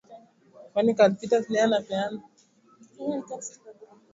Afrika Mashariki na Kati katika kila nyanja ya habari